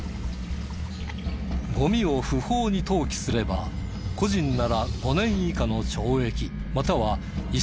ゴミを不法に投棄すれば個人なら５年以下の懲役または１０００万円以下の罰金。